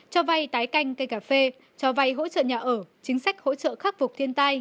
cho vay tái canh cây cà phê cho vay hỗ trợ nhà ở chính sách hỗ trợ khắc phục thiên tai